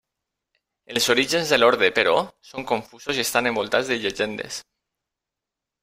Els orígens de l'orde, però, són confusos i estan envoltats de llegendes.